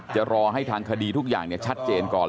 จะรอให้ทางคดีทุกอย่างชัดเจนก่อน